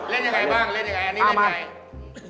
เล่นอย่างไรบ้างเล่นอย่างไรอันนี้เล่นอย่างไรเอามา